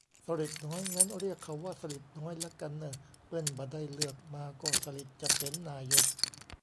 "สฤษฎิ์น้อย" งั้นเรียกเขาว่า "สลิดน้อย" ละกันเน่อ เปิ้นบ่ะได้เลือกมาก็สลิดจะเป๋นนายก